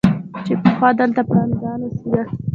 چې پخوا دلته پړانګان اوسېدل.